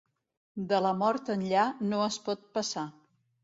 De la mort enllà no es pot passar.